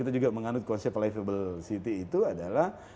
itu juga menganut konsep livable city itu adalah